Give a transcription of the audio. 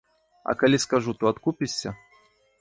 А калі скажу, то адкупішся?